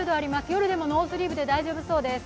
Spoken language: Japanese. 夜でもノースリーブで大丈夫そうです。